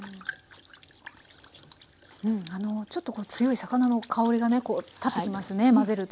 うんあのちょっと強い魚の香りがね立ってきますね混ぜると。